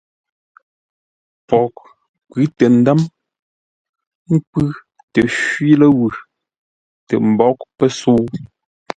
Poghʼ kwʉ́ tə ndə̌m, kwʉ́ təshwi ləwʉ̂, tə mbóʼ pəsə̌u.